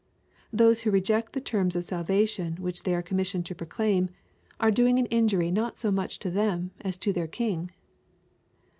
Those who reject the terms of \ salvation which they are commissioned to proclaim^ are 356 EXPOSITORT THOUGHTS. doing an injury not so much to them as to their King.